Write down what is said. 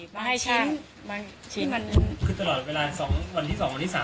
มาให้ช่างมาเช็ควันหนึ่งคือตลอดเวลาสองวันที่สองวันที่สาม